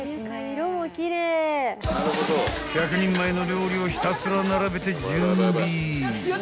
［１００人前の料理をひたすら並べて準備］